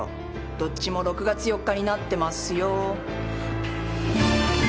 どっちも６月４日になってますよ。